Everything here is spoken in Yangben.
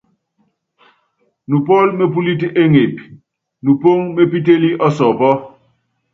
Nupɔ́l mepúlít éŋep, nupɔ́k mepítélí ɔsɔɔpɔ.